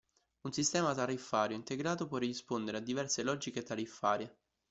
Un sistema tariffario integrato può rispondere a diverse logiche tariffarie.